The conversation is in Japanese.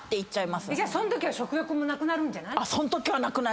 そんときは食欲もなくなるんじゃない？